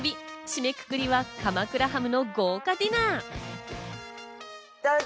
締めくくりは鎌倉ハムの豪華ディナー。